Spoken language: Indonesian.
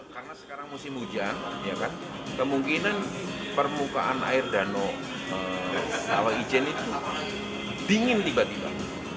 karena sekarang musim hujan kemungkinan permukaan air danau di kawah ijen itu dingin tiba tiba